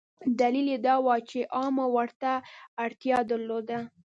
دلیل یې دا و چې عوامو ورته اړتیا درلوده.